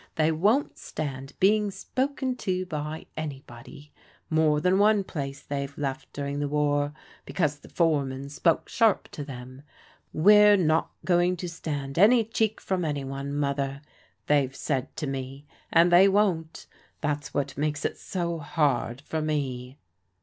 They won't stand being spoken to by anybody. More than one place they've left during the war, because the fore man spoke sharp to them. 'We're not going to stand any cheek from any one, Mother,' they've said to me, and they won't. That's what makes it so hard for me."